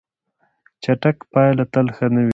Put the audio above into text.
چټک پایله تل ښه نه وي.